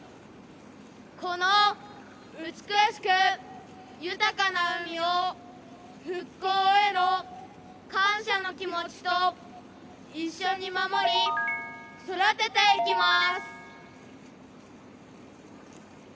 この美しく豊かな海を復興への感謝の気持ちと一緒に守り、育てていきます。